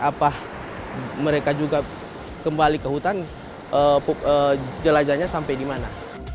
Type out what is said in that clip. apa mereka juga kembali ke hutan jelajahnya sampai di mana